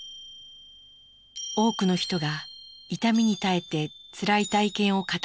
多くの人が痛みに耐えてつらい体験を語り残してくれました。